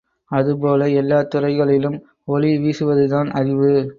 அதுபோல எல்லாத் துறைகளிலும் ஒளிவீசுவதுதான் அறிவு.